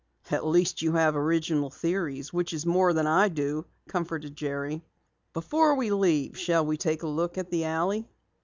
"At least you have original theories, which is more than I do," comforted Jerry. "Before we leave, shall we take a look at the alley?"